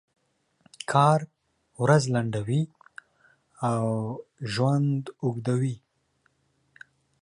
کار ورځ لنډوي او ژوند اوږدوي.